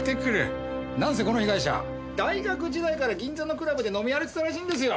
なんせこの被害者大学時代から銀座のクラブで飲み歩いてたらしいんですよ！